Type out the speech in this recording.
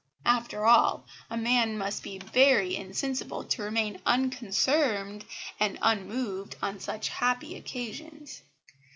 After all, a man must be very insensible to remain unconcerned and unmoved on such happy occasions."